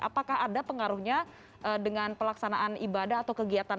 apakah ada pengaruhnya dengan pelaksanaan ibadah atau kegiatan